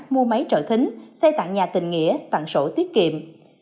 mua máy trợ thính xây tặng nhà tình nghĩa tặng sổ tiết kiệm